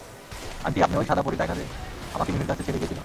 Aunty, আপনি ওই সাদা পরী তাই না যে আমাকে মিমি-র কাছে ছেড়ে গিয়েছিলো?